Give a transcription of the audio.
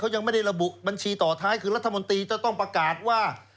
ยังไม่ได้ระบุบัญชีต่อท้ายคือรัฐมนตรีจะต้องประกาศว่า